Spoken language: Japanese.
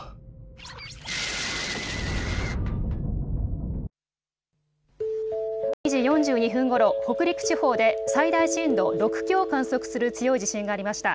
午後２時４２分ごろ、北陸地方で最大震度６強を観測する強い地震がありました。